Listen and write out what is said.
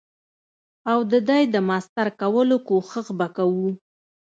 او ددی د ماستر کولو کوښښ به کوو.